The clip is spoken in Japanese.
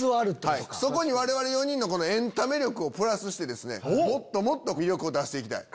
そこに我々４人のエンタメ力をプラスしてもっと魅力を出して行きたい。